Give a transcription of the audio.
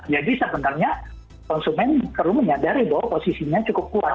sebenarnya konsumen perlu menyadari bahwa posisinya cukup kuat